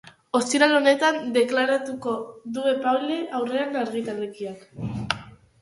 Ostiral honetan deklaratuko du epaile aurrean argiketariak.